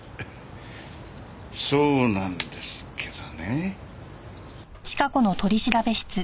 そうなんですけどね。